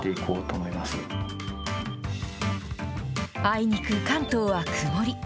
あいにく、関東は曇り。